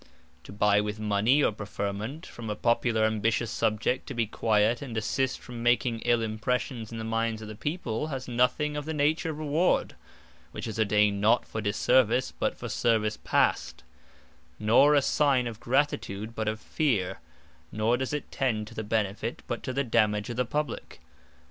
To buy with Mony, or Preferment, from a Popular ambitious Subject, to be quiet, and desist from making ill impressions in the mindes of the People, has nothing of the nature of Reward; (which is ordained not for disservice, but for service past;) nor a signe of Gratitude, but of Fear: nor does it tend to the Benefit, but to the Dammage of the Publique.